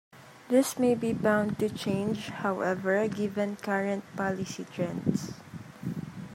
This may be bound to change, however, given current policy trends.